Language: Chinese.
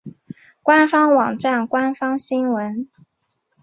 官方网站官方新闻